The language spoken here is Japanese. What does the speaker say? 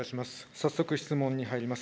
早速質問に入ります。